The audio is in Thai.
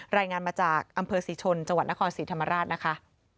รายงานมาจากอำเภอศรีชนจังหวัดนครศรีธรรมราชนะคะ